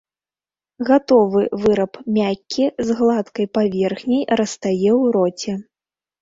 Гатовы выраб мяккі, з гладкай паверхняй, растае ў роце.